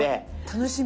楽しみ。